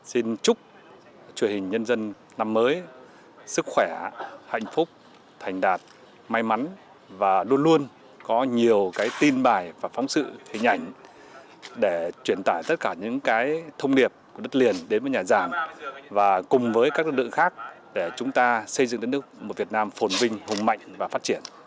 xin chúc truyền hình nhân dân năm mới sức khỏe hạnh phúc thành đạt may mắn và luôn luôn có nhiều tin bài và phóng sự hình ảnh để truyền tải tất cả những thông điệp của đất liền đến với nhà giảm và cùng với các lực lượng khác để chúng ta xây dựng đất nước một việt nam phồn vinh hùng mạnh và phát triển